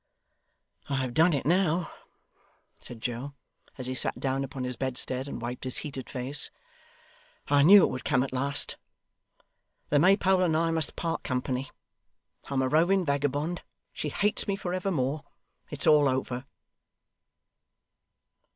'I have done it now,' said Joe, as he sat down upon his bedstead and wiped his heated face. 'I knew it would come at last. The Maypole and I must part company. I'm a roving vagabond she hates me for evermore it's all over!